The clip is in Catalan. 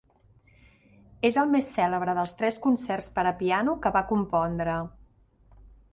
És el més cèlebre dels tres concerts per a piano que va compondre.